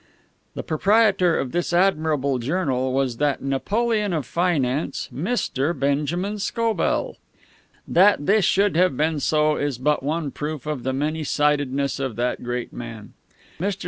The proprietor of this admirable journal was that Napoleon of finance, Mr. Benjamin Scobell. That this should have been so is but one proof of the many sidedness of that great man. Mr.